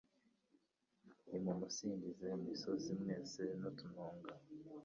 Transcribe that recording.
Nimumusingize misozi mwese n’utununga